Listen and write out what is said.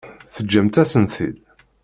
Teǧǧamt-asen-t-id.